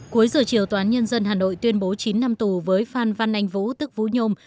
cuối giờ chiều tòa án nhân dân hà nội tuyên bố chín năm tù với phan văn anh vũ tức vũ nhôm